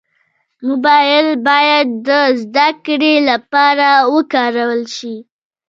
موبایل باید د زدهکړې لپاره وکارول شي.